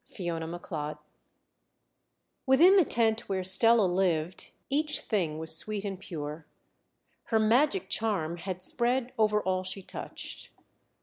FIONA MACLEOD. Within the tent where Stella lived each thing was sweet and pure. Her magic charm had spread over all she touched.